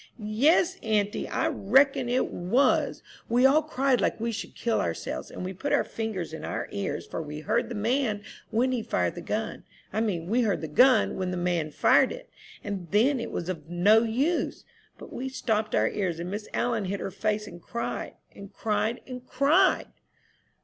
"Yes, auntie, I reckon it was! We all cried like we should kill ourselves, and put our fingers in our ears; for we heard the man when he fired the gun, I mean we heard the gun when the man fired it, and then it was of no use; but we stopped our ears, and Miss All'n hid her face, and cried and cried and cried!"